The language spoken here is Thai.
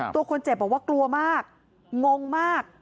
ตัวคนเจ็บบอกว่ากลัวมากงงมาก